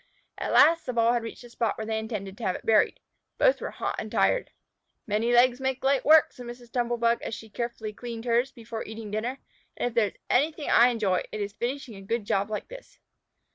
At last the ball had reached the spot where they intended to have it buried. Both were hot and tired. "Many legs make light work," said Mrs. Tumble bug, as she carefully cleaned hers before eating dinner, "and if there is anything I enjoy, it is finishing a good job like this!"